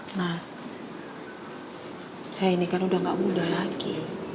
nah saya ini kan udah gak muda lagi